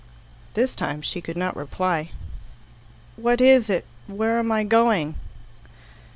This time she could not reply. "What is it? Where am I going?"